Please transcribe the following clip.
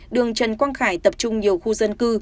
đường trần quang khải tập trung nhiều khu dân cư